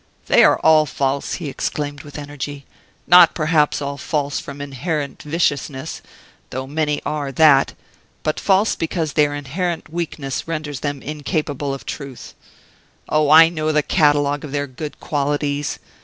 "They are all false," he exclaimed with energy. "Not, perhaps, all false from inherent viciousness, though many are that, but false because their inherent weakness renders them incapable of truth. Oh! I know the catalogue of their good qualities.